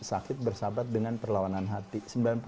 sakit bersahabat dengan perlawanan hati